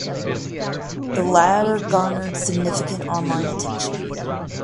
The latter garnered significant online attention.